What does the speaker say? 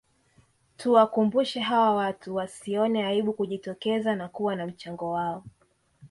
Tuwakumbushe hawa watu wasione aibu kujitokeza na kuwa na mchango wao